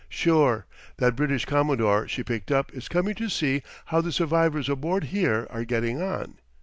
"Sure. That British commodore she picked up is coming to see how the survivors aboard here are getting on.